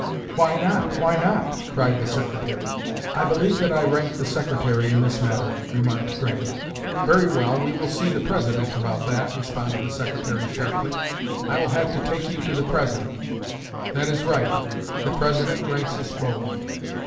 "Why not? Why not?" cried the Secretary. "I believe that I rank the Secretary in this matter," remarked Grant. "Very well, we will see the President about that," responded the Secretary sharply. "I will have to take you to the President." "That is right. The President ranks us both."